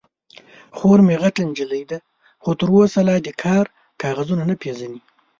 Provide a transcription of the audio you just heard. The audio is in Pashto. _خور مې غټه نجلۍ ده، خو تر اوسه لا د کار کاغذونه نه پېژني.